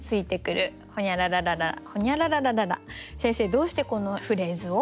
先生どうしてこのフレーズを？